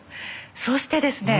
そしてですね